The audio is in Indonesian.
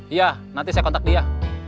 iya nanti saya kontak dia